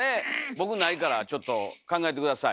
僕ないからちょっと考えて下さい。